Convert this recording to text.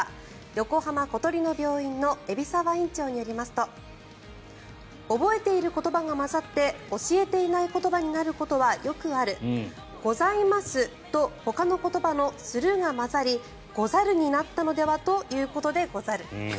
横浜小鳥の病院の海老沢院長によりますと覚えている言葉が混ざって教えていない言葉になることはよくある「ございます」とほかの言葉の「する」が混ざり「ござる」になったのではということでござる。